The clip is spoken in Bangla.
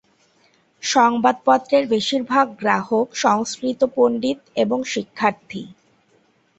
সংবাদপত্রের বেশিরভাগ গ্রাহক সংস্কৃত পণ্ডিত এবং শিক্ষার্থী।